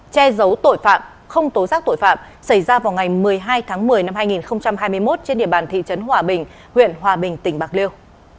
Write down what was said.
che giấu tội phạm không tố giác tội phạm xảy ra vào ngày một mươi hai tháng một mươi năm hai nghìn hai mươi một trên địa bàn thị trấn hòa bình huyện hòa bình tỉnh bạc liêu